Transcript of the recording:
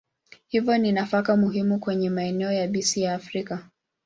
Hivyo ni nafaka muhimu kwenye maeneo yabisi ya Afrika.